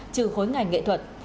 trừ khối ngành nghệ thuật